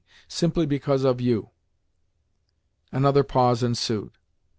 Simply because of you." Another pause ensued.